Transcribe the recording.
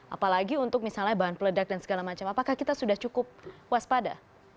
apalagi untuk misalnya bahan peledak dan segala macam apakah kita sudah cukup waspada